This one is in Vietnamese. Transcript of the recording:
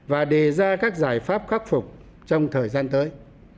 và đề ra các giải pháp khắc phục trong thời gian tới